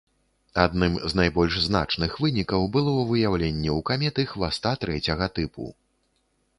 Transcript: Адным з найбольш значных вынікаў было выяўленне ў каметы хваста трэцяга тыпу.